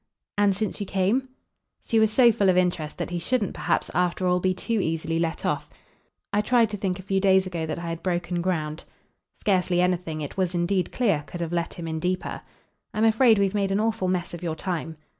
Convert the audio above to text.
"And since you came?" She was so full of interest that he shouldn't perhaps after all be too easily let off. "I tried to think a few days ago that I had broken ground." Scarcely anything, it was indeed clear, could have let him in deeper. "I'm afraid we've made an awful mess of your time."